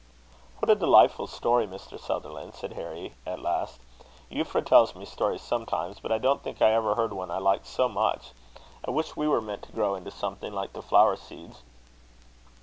"What a delightful story, Mr. Sutherland!" said Harry, at last. "Euphra tells me stories sometimes; but I don't think I ever heard one I liked so much. I wish we were meant to grow into something, like the flower seeds."